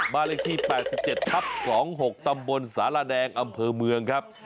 เลขที่๘๗ทับ๒๖ตำบลสารแดงอำเภอเมืองครับ